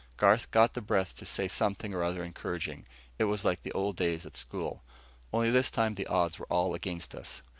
Garth got the breath to say something or other encouraging. It was like old days at school. Only this time the odds were all against us.